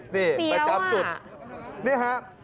เป๋าอ่ะ